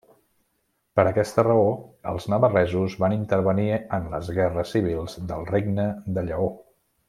Per aquesta raó els navarresos van intervenir en les guerres civils del Regne de Lleó.